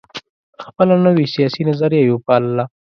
خپله نوي سیاسي نظریه یې وپالله.